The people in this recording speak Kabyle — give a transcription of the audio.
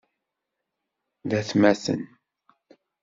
D atmaten.